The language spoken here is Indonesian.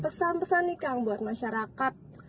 pesan pesan nih kang buat masyarakat